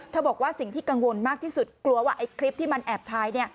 บอกว่าสิ่งที่กังวลมากที่สุดกลัวว่าไอ้คลิปที่มันแอบท้าย